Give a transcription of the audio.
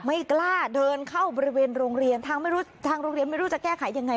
ไม่กล้าเดินเข้าบริเวณโรงเรียนทางไม่รู้ทางโรงเรียนไม่รู้จะแก้ไขยังไง